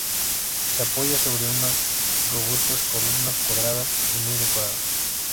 Se apoya sobre unas robustas columnas cuadradas y muy decoradas.